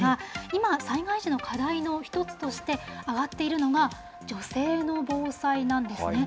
今、災害時の課題の１つとして挙がっているのが、女性の防災なんですね。